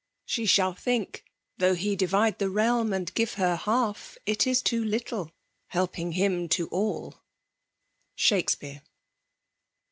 ShttshaUihiiik, Though he divide the realm> and give her half. It is too little, helping him to alL 8BAX8VBA.RB.